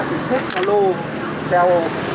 chỉ xếp theo lô theo